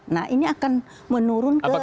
nah ini akan menurun ke anak anak